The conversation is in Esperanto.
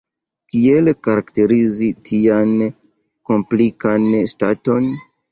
Kiel karakterizi tian komplikan ŝtaton?